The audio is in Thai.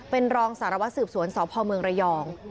เป็นรองสารวัสสืบสวนสพเมืองระยอง